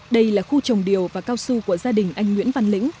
đây là khu trồng điều và cao su của gia đình anh nguyễn văn lĩnh